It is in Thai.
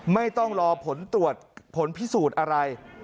ไม่ต้องรอผลตรวจผลพิสูจน์อะไร